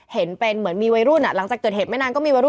เห็นเป็นเหมือนมีวัยรุ่นอ่ะหลังจากเกิดเหตุไม่นานก็มีวัยรุ่น